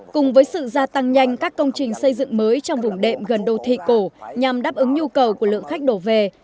cùng với sự gia tăng nhanh các công trình xây dựng mới trong vùng đệm gần đô thị cổ nhằm đáp ứng nhu cầu của lượng khách đổ về